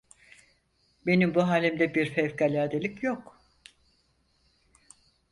Benim bu halimde bir fevkaladelik yok.